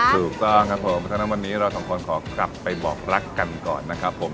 ถูกต้องครับผมเพราะฉะนั้นวันนี้เราสองคนขอกลับไปบอกรักกันก่อนนะครับผม